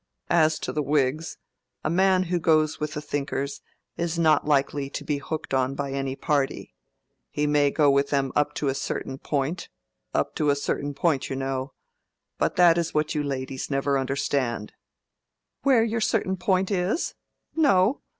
As to the Whigs, a man who goes with the thinkers is not likely to be hooked on by any party. He may go with them up to a certain point—up to a certain point, you know. But that is what you ladies never understand." "Where your certain point is? No.